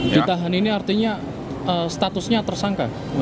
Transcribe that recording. ditahan ini artinya statusnya tersangka